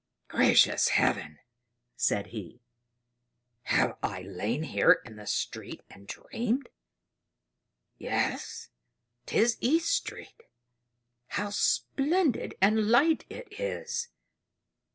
"Gracious Heaven!" said he. "Have I lain here in the street and dreamed? Yes; 'tis East Street! How splendid and light it is!